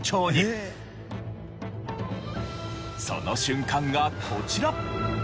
その瞬間がこちら。